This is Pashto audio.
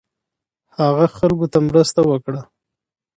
هغه خلکو ته مرسته وکړه